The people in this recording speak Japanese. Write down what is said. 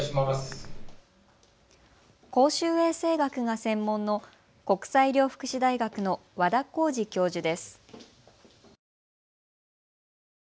公衆衛生学が専門の国際医療福祉大学の和田耕治教授です。